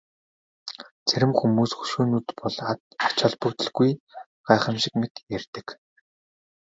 Зарим хүмүүс хөшөөнүүд бол ач холбогдолгүй гайхамшиг мэт ярьдаг.